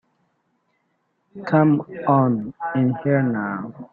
Come on in here now.